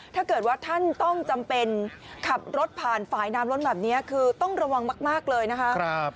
ถ้าเกิดว่าท่านต้องจำเป็นขับรถผ่านฝ่ายน้ำล้นแบบนี้คือต้องระวังมากเลยนะคะ